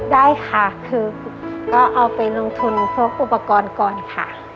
ได้ค่ะคือก็เอาไปลงทุนพวกอุปกรณ์ก่อนค่ะ